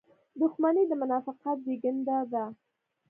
• دښمني د منافقت زېږنده ده.